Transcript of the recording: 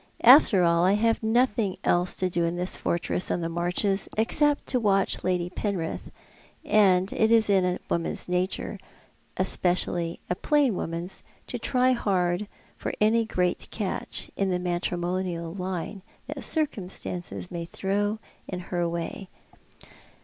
After all I have nothing else to do in this fortress on the Marches except to watch Lady Penrith, and it is in a woman's nature — especially a plain woman's — to try hard for any great catch in the matrimonial line that circum stances may throw in her way.